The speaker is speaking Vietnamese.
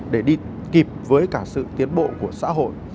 để đi kịp với cả sự tiến bộ của xã hội